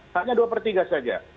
hanya dua pertiga saja